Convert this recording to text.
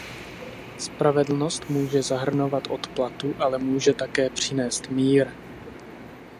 Spravedlnost může zahrnovat odplatu, ale může také přinést mír.